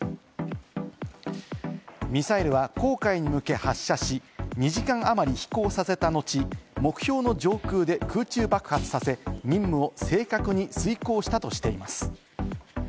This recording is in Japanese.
ミサイルは黄海に向け発射し、２時間あまり飛行させた後、目標の上空で空中爆発させ、任務を正確に遂行したとしています。